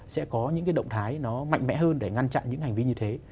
sẽ có những cái động thái nó mạnh mẽ hơn để ngăn chặn những hành vi như thế